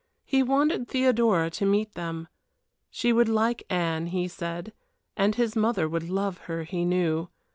He wanted Theodora to meet them. She would like Anne, he said, and his mother would love her, he knew.